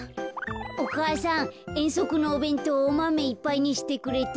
お母さんえんそくのおべんとうおマメいっぱいにしてくれた？